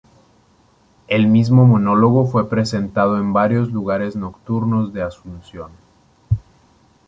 El mismo monólogo fue presentando en varios lugares nocturnos de Asunción.